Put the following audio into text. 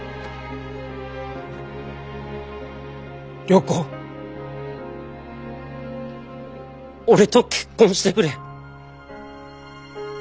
良子俺と結婚してくれ。